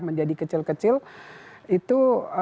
menjadi kecil kecil itu